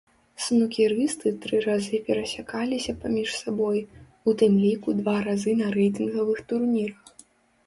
Снукерысты тры разы перасякаліся паміж сабой, у тым ліку два разы на рэйтынгавых турнірах.